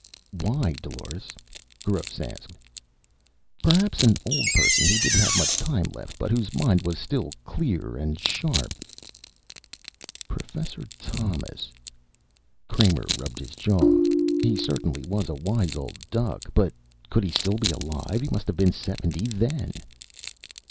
"Why, Dolores?" Gross asked. "Perhaps an old person who didn't have much time left, but whose mind was still clear and sharp " "Professor Thomas." Kramer rubbed his jaw. "He certainly was a wise old duck. But could he still be alive? He must have been seventy, then."